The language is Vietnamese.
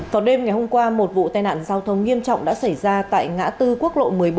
vào đêm ngày hôm qua một vụ tai nạn giao thông nghiêm trọng đã xảy ra tại ngã tư quốc lộ một mươi bốn